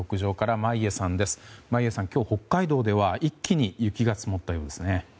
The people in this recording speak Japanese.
眞家さん、今日の北海道では一気に雪が積もったようですね。